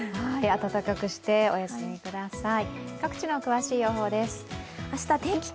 暖かくして、お休みください。